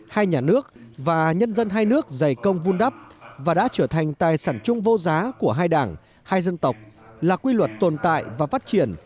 hai nhà nước và nhân dân hai nước dày công vun đắp và đã trở thành tài sản chung vô giá của hai đảng hai dân tộc là quy luật tồn tại và phát triển